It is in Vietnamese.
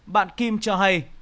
bạn kim cho hay